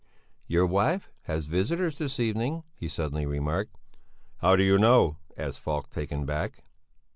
"Your wife has visitors this evening," he suddenly remarked. "How do you know?" asked Falk, taken aback.